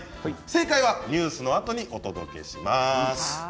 正解はニュースのあとにお届けします。